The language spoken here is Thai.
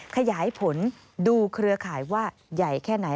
ขยายผลดูเครือข่ายว่าใหญ่แค่ไหน